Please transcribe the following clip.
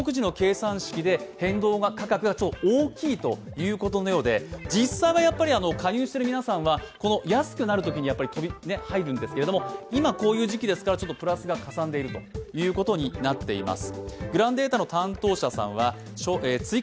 変動する価格が大きいということで、実際は加入している皆さんは安くなるときに入るんですけれども、今こういう時期ですからプラスがかさんでいるということになっています。